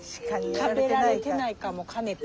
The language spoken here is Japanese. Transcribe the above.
食べられてないかもかねて。